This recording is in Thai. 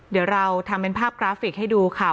เดี๋ยวเราทำเป็นภาพกราฟิกให้ดูค่ะ